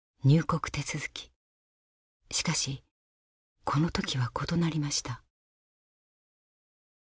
しかしこの時は異なりました。